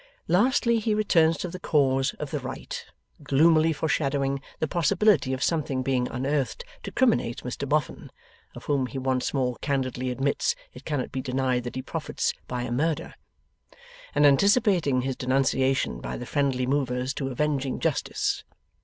Lastly, he returns to the cause of the right, gloomily foreshadowing the possibility of something being unearthed to criminate Mr Boffin (of whom he once more candidly admits it cannot be denied that he profits by a murder), and anticipating his denunciation by the friendly movers to avenging justice.